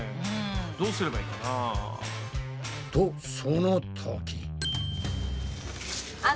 どうすればいいかな？とそのとき。